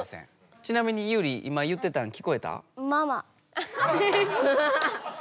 ちなみにユウリ今言ってたん聞こえた？